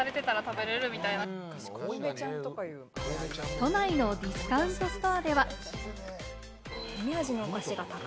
都内のディスカウントストアでは。